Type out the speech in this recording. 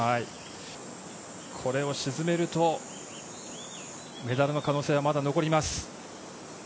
これを沈めると、メダルの可能性はまだ残ります。